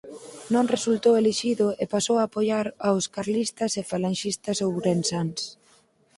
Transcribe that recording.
Non resultou elixido e pasou a apoiar aos carlistas e falanxistas ourensáns.